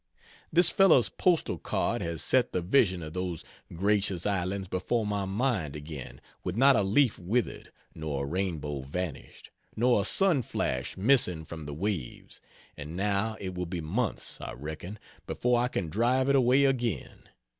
This fellow's postal card has set the vision of those gracious islands before my mind, again, with not a leaf withered, nor a rainbow vanished, nor a sun flash missing from the waves, and now it will be months, I reckon, before I can drive it away again.